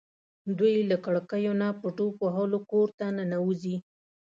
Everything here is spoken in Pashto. دوی له کړکیو نه په ټوپ وهلو کور ته ننوځي.